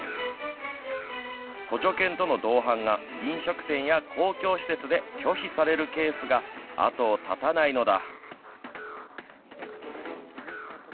補助犬との同伴が飲食店や公共施設で拒否されるケースが後を絶たないのだ。